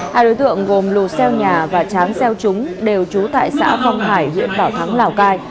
hai đối tượng gồm lù xeo nhà và tráng xeo trúng đều trú tại xã phong hải huyện bảo thắng lào cai